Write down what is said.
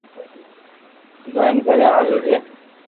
جائين گھري آوي جي